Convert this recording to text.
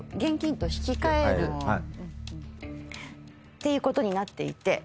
ていうことになっていて。